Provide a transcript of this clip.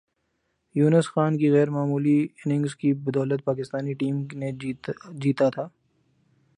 یونس خان کی غیر معمولی اننگز کی بدولت پاکستانی ٹیم نے جیتا تھا